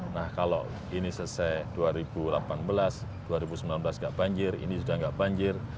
nah kalau ini selesai dua ribu delapan belas dua ribu sembilan belas nggak banjir ini sudah tidak banjir